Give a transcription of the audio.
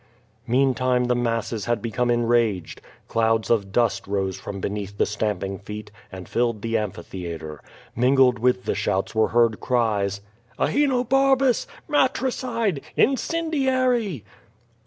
Meantime the masses had become enraged. Clouds of dust rose from beneath the stamping feet, and filled the amphi theatre. ^Mingled with the shouts were heard cries: *^Ahe nobarbus! matricide! incendiary!'